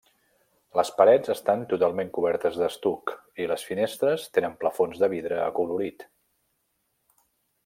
Les parets estan totalment cobertes d'estuc, i les finestres tenen plafons de vidre acolorit.